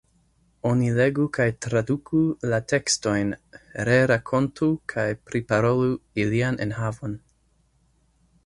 Oni legu kaj traduku la tekstojn, rerakontu kaj priparolu ilian enhavon.